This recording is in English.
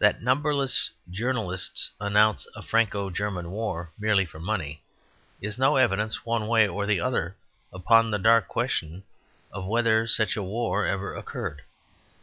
That numberless journalists announce a Franco German war merely for money is no evidence one way or the other upon the dark question of whether such a war ever occurred.